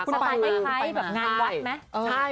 คุณภายในไข้แบบงานวัดมั้ย